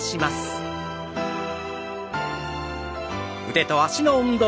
腕と脚の運動。